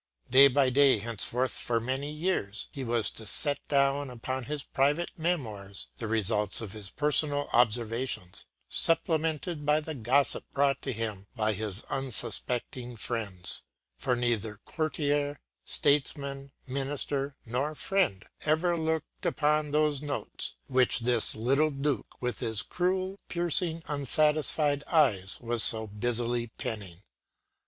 Day by day, henceforth for many years, he was to set down upon his private “Memoirs” the results of his personal observations, supplemented by the gossip brought to him by his unsuspecting friends; for neither courtier, statesman, minister, nor friend ever looked upon those notes which this “little Duke with his cruel, piercing, unsatisfied eyes” was so busily penning.